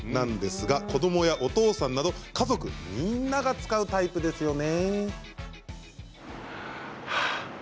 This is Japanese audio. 子どもや、お父さんなど家族みんなが使うタイプですよね。